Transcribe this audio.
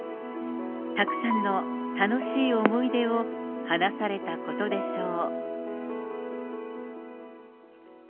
たくさんの楽しい思い出を話されたことでしょう。